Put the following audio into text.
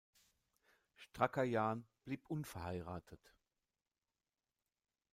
Strackerjan blieb unverheiratet.